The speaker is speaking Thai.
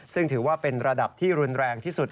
ซึ่งถือว่าเป็นระดับที่รุนแรงที่สุด